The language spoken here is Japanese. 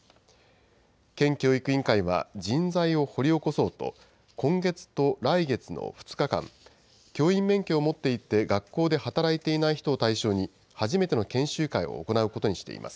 県教育委員会は人材を掘り起こそうと、今月と来月の２日間、教員免許を持っていて、学校で働いていない人を対象に、初めての研修会を行うことにしています。